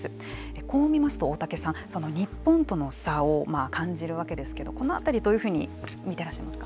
こう見ますと大竹さん日本との差を感じるわけですけどこのあたり、どういうふうにみていらっしゃいますか。